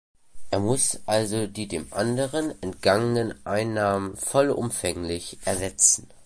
Er muss also die dem anderen entgangenen Einnahmen vollumfänglich ersetzen.